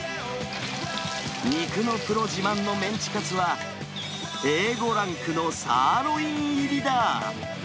肉のプロ自慢のメンチカツは、Ａ５ランクのサーロイン入りだ。